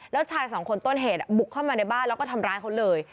แล้วชายสองคนต้นเหตุบุกเข้ามาในบ้านแล้วก็ทำร้ายเขาเลย